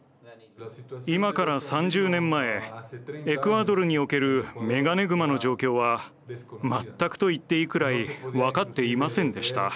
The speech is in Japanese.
今から３０年前エクアドルにおけるメガネグマの状況はまったくと言っていいくらい分かっていませんでした。